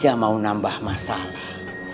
dia mau nambah masalah